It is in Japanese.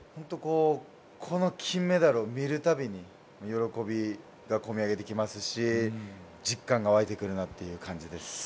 この金メダルを見るたびに喜びが込み上げてきますし、実感が湧いてくるなっていう感じです。